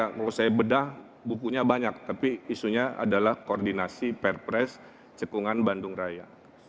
kalau saya bedah bukunya banyak tapi isunya adalah koordinasi perpres cekungan bandung raya